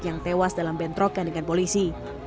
yang tewas dalam bentrokan dengan polisi